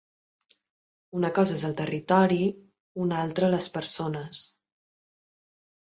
Una cosa és el territori un altre, les persones.